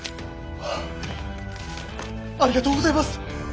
ありがとうございます！